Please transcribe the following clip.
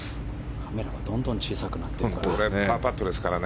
カメラがどんどん小さくなっていますね。